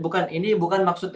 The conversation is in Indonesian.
bukan ini bukan maksud